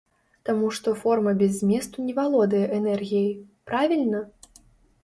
Таму што форма без зместу не валодае энергіяй, правільна?